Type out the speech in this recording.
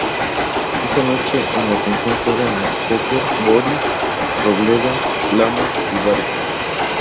Esa noche en la pensión juegan al póquer Boris, Robledo, Lamas y Vargas.